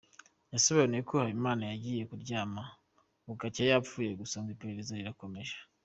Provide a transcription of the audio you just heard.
Yasobanuye ko Habimana yagiye kuryama bugacya yapfuye, gusa ngo iperereza rirakomeje.